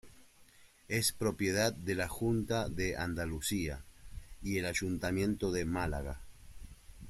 Es propiedad de la Junta de Andalucía y el Ayuntamiento de Málaga.